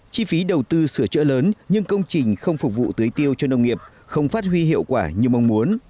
chi phí đầu tư sửa chữa lớn nhưng công trình không phục vụ tưới tiêu cho nông nghiệp không phát huy hiệu quả như mong muốn